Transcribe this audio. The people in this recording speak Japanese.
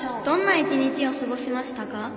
どんな一日をすごしましたか？」。